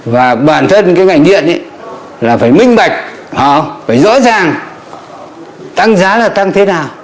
và bản thân cái ngành điện là phải minh bạch họ phải rõ ràng tăng giá là tăng thế nào